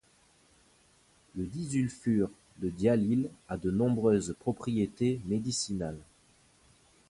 Le disulfure de diallyle a de nombreuses propriétés médicinales.